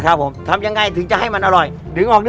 นะครับผมทำยังไงถึงจะให้มันอร่อยให้ที